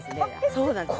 そうなんです。